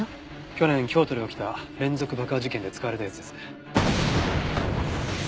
去年京都で起きた連続爆破事件で使われたやつですね。